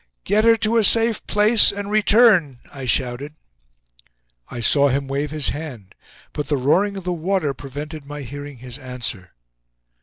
"Get her to a safe place, and return!" I shouted. I saw him wave his hand, but the roaring of the water prevented my hearing his answer.